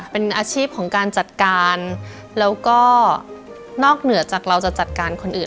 เป็นอาชีพของการจัดการแล้วก็นอกเหนือจากเราจะจัดการคนอื่น